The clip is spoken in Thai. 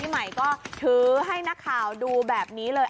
ใหม่ก็ถือให้นักข่าวดูแบบนี้เลย